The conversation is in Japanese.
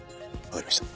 わかりました。